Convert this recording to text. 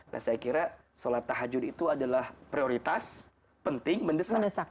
nah saya kira sholat tahajud itu adalah prioritas penting mendesak